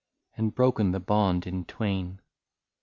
And broken the bond in twain.